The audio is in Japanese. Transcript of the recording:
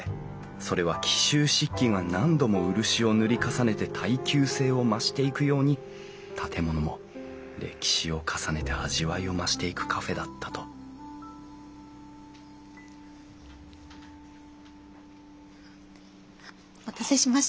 それは紀州漆器が何度も漆を塗り重ねて耐久性を増していくように建物も歴史を重ねて味わいを増していくカフェだったとお待たせしました。